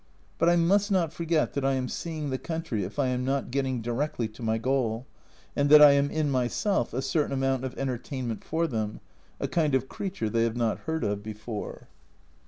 But I must not forget that I am seeing the country if I am not getting directly to my goal, and that I am in myself a certain amount of entertainment for them, a kind of creature they have not heard of before.